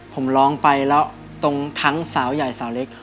ผมร้องไปแล้วตรงทั้งสาวใหญ่สาวเล็ก